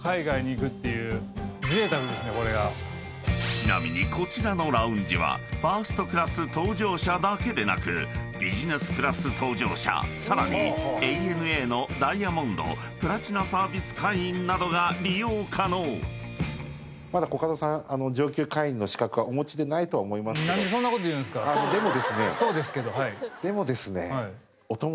［ちなみにこちらのラウンジはファーストクラス搭乗者だけでなくビジネスクラス搭乗者さらにＡＮＡのダイヤモンドプラチナサービス会員などが利用可能］でもですね。